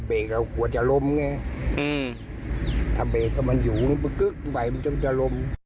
เบรกเอาหัวจะล้มไงอืมถ้าเบรกก็มันอยู่มันจะล้ม